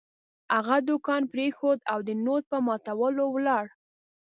هغه دوکان پرېښود او د نوټ په ماتولو ولاړ.